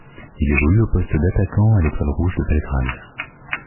Il évolue au poste d'attaquant à l'Étoile rouge de Belgrade.